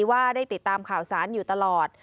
ว่าได้ติดตามข่าวสารอยู่ตลอด